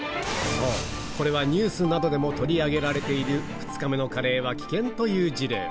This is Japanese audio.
これはニュースなどでも取り上げられている、２日目のカレーは危険という事例。